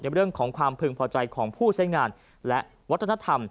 เรื่องของความพึงพอใจของผู้ใช้งานและวัฒนธรรม